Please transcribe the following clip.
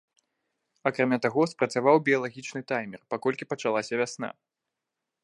Акрамя таго, спрацаваў біялагічны таймер, паколькі пачалася вясна.